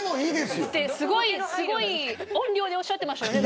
すごい音量でおっしゃってましたよね。